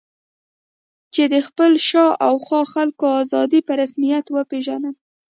چې د خپلو شا او خوا خلکو آزادي په رسمیت وپېژنم.